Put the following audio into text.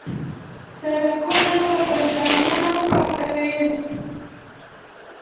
سړکونه په بنګالیانو پاکوي.